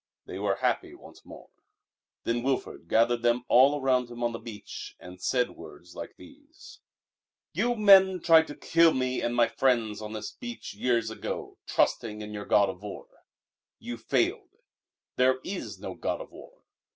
They were happy once more. Then Wilfrid gathered them all around him on the beach and said words like these: "You men tried to kill me and my friends on this beach years ago, trusting in your god of war. You failed. There is no god of war.